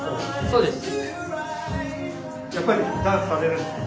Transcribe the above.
そうです。